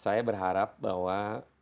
saya berharap bahwa